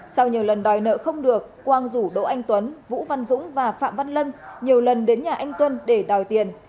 sau nhiều lần đòi nợ không được quang rủ đỗ anh tuấn vũ văn dũng và phạm văn lân nhiều lần đến nhà anh tuân để đòi tiền